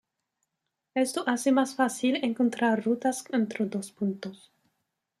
Esto hace más fácil encontrar rutas entre dos puntos.